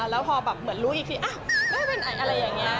แล้วพอแบบเหมือนรู้อีกทีไม่เป็นไรอะไรอย่างนี้